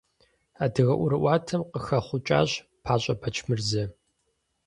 Адыгэ ӀуэрыӀуатэм къыхэхъукӀащ ПащӀэ Бэчмырзэ.